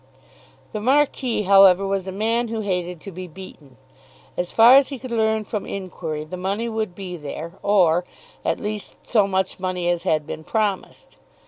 The Marquis, however, was a man who hated to be beaten. As far as he could learn from inquiry, the money would be there, or, at least, so much money as had been promised.